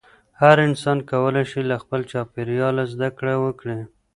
هر انسان کولی شي له خپل چاپېریاله زده کړه وکړي.